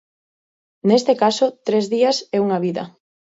Neste caso, Tres días e unha vida.